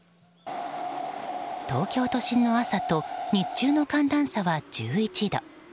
東京都心の朝と日中の寒暖差は１１度。